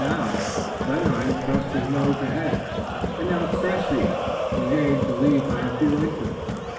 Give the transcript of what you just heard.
Now, Blenheim thrusts his nose ahead, and now Cressy regains the lead by a few inches.